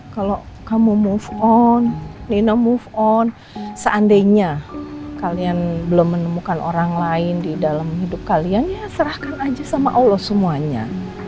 kalau kamu move on ney no move on seandainya kalian belum menemukan orang lain di dalam hidup kalian ya serahkan aja sama allah semuanya